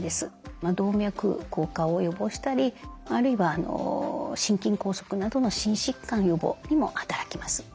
動脈硬化を予防したりあるいは心筋梗塞などの心疾患予防にも働きます。